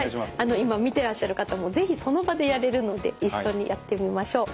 今見てらっしゃる方も是非その場でやれるので一緒にやってみましょう。